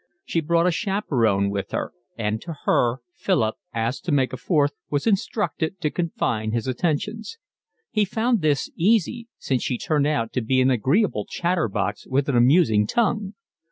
She brought a chaperon with her; and to her Philip, asked to make a fourth, was instructed to confine his attentions. He found this easy, since she turned out to be an agreeable chatterbox with an amusing tongue.